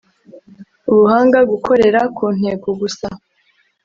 Ubuhanga gukorera ku ntego gusa